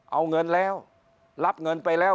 เอาเงินแล้วรับเงินไปแล้ว